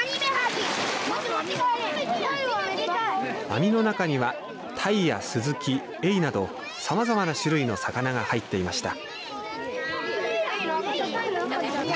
網の中にはタイやスズキエイなど、さまざまな種類の魚が入っていました。